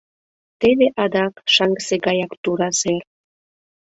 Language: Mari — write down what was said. Теве адак — шаҥгысе гаяк тура сер.